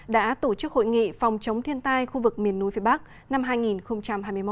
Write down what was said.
đã tổ chức hội nghị phòng chống thiên tai khu vực miền núi phía bắc năm hai nghìn hai mươi một